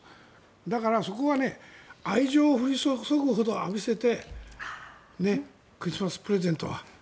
だからそこは愛情を降り注ぐほど浴びせてクリスマスプレゼントは。